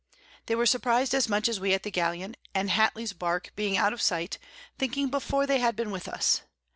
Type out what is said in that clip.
They were surpriz'd as much as we at the Galleon, and Hatley's Bark being out of Sight, thinking before they had been with us.